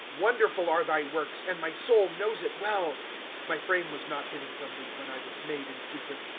Wonderful are thy works ; And my soul knows it well. " My frame was not hidden from thee, When I was made in secret.